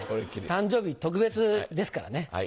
誕生日特別ですからね。